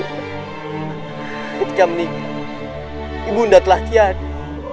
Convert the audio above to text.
ketika meninggal ibu anda telah tiada